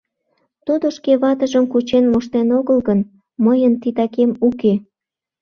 Тудо шке ватыжым кучен моштен огыл гын, мыйын титакем уке.